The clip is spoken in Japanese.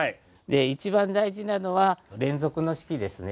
一番大事なのは連続の式ですね。